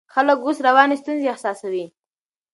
خلک اوس رواني ستونزې احساسوي.